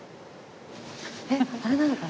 えっあれなのかな？